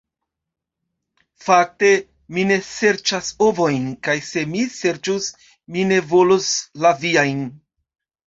"Fakte, mi ne serĉas ovojn; kaj se mi serĉus, mi ne volus la viajn.